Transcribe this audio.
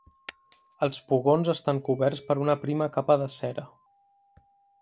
Els pugons estan coberts per una prima capa de cera.